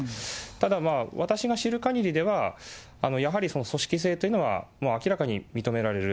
ただまあ、私が知るかぎりでは、やはり組織性というのは、明らかに認められる。